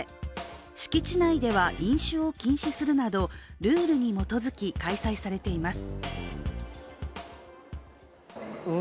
敷地内では飲酒を禁止するなどルールに基づき、開催されています。